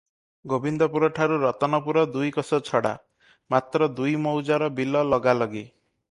ଗୋବିନ୍ଦପୁରଠାରୁ ରତନପୁର ଦୁଇକୋଶ ଛଡ଼ା; ମାତ୍ର ଦୁଇ ମୌଜାର ବିଲ ଲଗା ଲଗି ।